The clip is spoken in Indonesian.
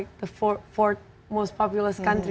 empat negara populer terbesar